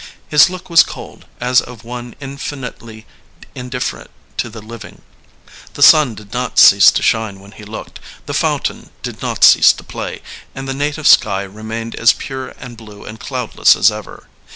His look was cold, as of one in finitely indifferent to the living. The sun did not cease to shine when he looked, the fountain did not cease to play, and the native sky remained as pure and blue and cloudless as ever.